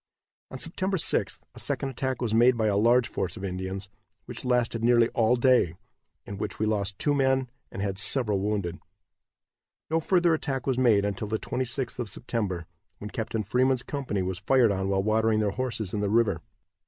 On September 6th a second attack was made by a large force of Indians, which lasted nearly all day, in which we lost two men and had several wounded. No further attack was made until the 26th of September, when Captain Freeman's company was fired on while watering their horses in the river.